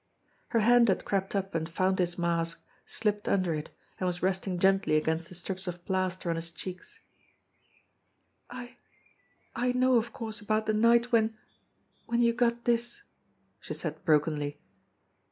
Her hand had crept up and found his mask, slipped under it, and was resting gently against the strips of plaster on his cheek. "I I know of course about the night when when you got this," she said brokenly.